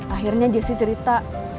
akhirnya jessi cerita